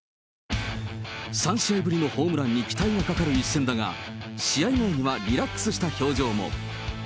３試合ぶりのホームランに期待のかかる一戦だが、試合前にはリラックスした表情も。